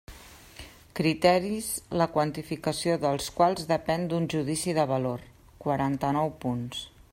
Criteris la quantificació dels quals depèn d'un judici de valor: quaranta-nou punts.